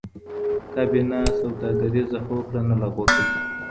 کابینه سوداګریزه هوکړه نه لغوه کوي.